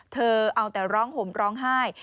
เธอเอาแต่ร้องห่มร้องไห้